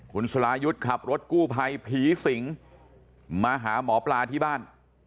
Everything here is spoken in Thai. คุณสรายุทธ์ขับรถกู้ภัยผีสิงมาหาหมอปลาที่บ้าน